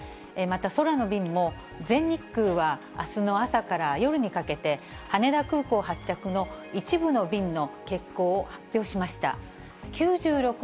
また空の便も、全日空は、あすの朝から夜にかけて、羽田空港発着の一部の便の欠航を発表しました。